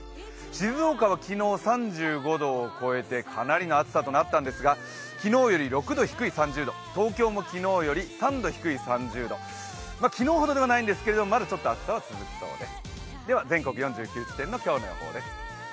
静岡は昨日、３５度を超えてかなりの暑さとなったんですが昨日より６度低い３０度、東京も昨日より３度低い３０度、昨日ほどではないんですけどまだちょっと暑さは続きそうです。